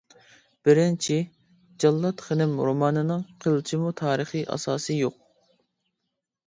بىرىنچى، جاللات خېنىم رومانىنىڭ قىلچىمۇ تارىخى ئاساسى يوق.